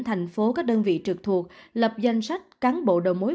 thành phố các đơn vị trực thuộc lập danh sách cán bộ đầu mối